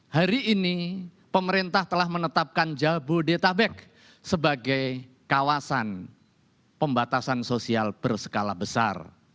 hari ini pemerintah telah menetapkan jabodetabek sebagai kawasan pembatasan sosial berskala besar